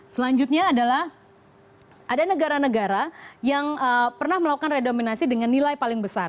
selanjutnya adalah ada negara negara yang pernah melakukan redominasi dengan nilai paling besar